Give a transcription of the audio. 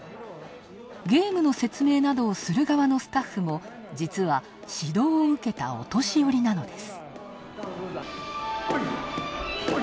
ゲームの説明などをするスタッフも、実は、指導を受けたお年寄りなのです。